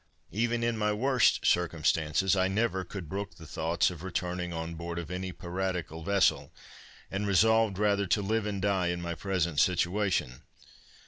Even in my worst circumstances, I never could brook the thoughts of returning on board of any piratical vessel, and resolved rather to live and die in my present situation.